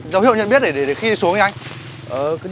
dấu hiệu nhận biết để đưa đến bắt rắn là huyện đông anh